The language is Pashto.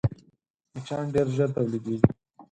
مچان ډېر ژر تولیدېږي